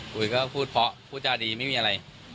คุยก็พูดเพราะพูดจาดีไม่มีอะไร